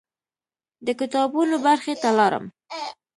د کتابونو برخې ته لاړم.